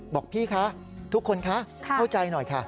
บอกพี่คะทุกคนคะเข้าใจหน่อยค่ะ